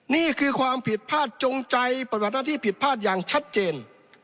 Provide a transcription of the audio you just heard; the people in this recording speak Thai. นี่คือความผิดพลาดจงใจปฏิบัติหน้าที่ผิดพลาดอย่างชัดเจน